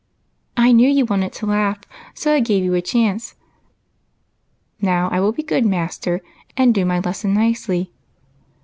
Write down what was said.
"I knew you wanted to laugh, so I gave you a chance. Now I will be good, master, and do my lesson nicely."